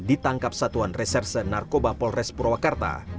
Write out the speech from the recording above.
ditangkap satuan reserse narkoba polres purwakarta